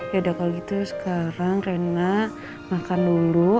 yaudah kalau gitu sekarang rena makan dulu